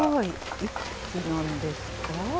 いくつなんですか？